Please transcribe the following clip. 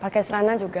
pakai celana juga